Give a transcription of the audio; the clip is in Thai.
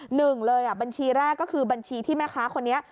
หนึ่งเลยบัญชีแรกก็คือบัญชีที่แม่ค้าคนนี้